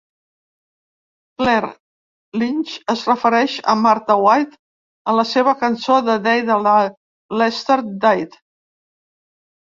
Claire Lynch es refereix a Martha White a la seva cançó "The Day That Lester Died".